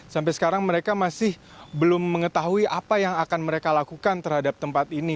sampai sekarang mereka masih belum mengetahui apa yang akan mereka lakukan terhadap tempat ini